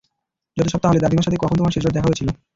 যত্তসব তাহলে, দাদিমার সাথে কখন তোমার শেষবার দেখা হয়েছিল?